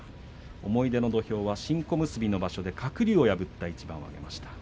思い出の土俵は新小結の場所で鶴竜を破った一番を挙げました。